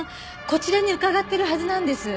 こちらに伺ってるはずなんです。